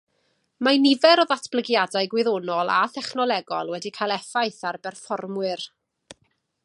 Mae nifer o ddatblygiadau gwyddonol a thechnolegol wedi cael effaith ar berfformwyr